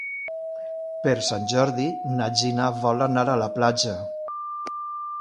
Per Sant Jordi na Gina vol anar a la platja.